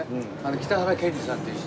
北原謙二さんっていう人。